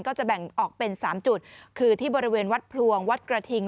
ก็จะแบ่งออกเป็น๓จุดคือที่บริเวณวัดพลวงวัดกระทิง